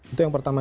itu yang pertama